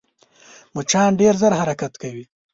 مچان ډېر ژر حرکت کوي